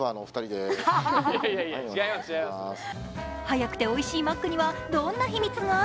早くておいしいマックにはどんな秘密が？